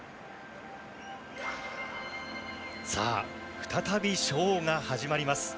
再び、ショーが始まります。